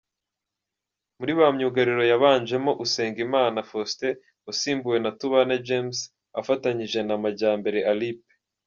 Muri ba myugariro yabanjemo Usengimana Faustin wasimbuwe na Tubane James, afatanyije na Majyambere Alipe.